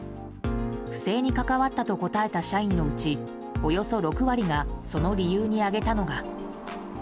不正に関わったと答えた社員のうちおよそ６割がその理由に挙げたのが。